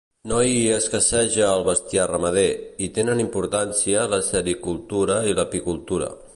No hi escasseja el bestiar ramader, i tenen importància la sericicultura i l'apicultura.